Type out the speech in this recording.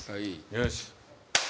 よし。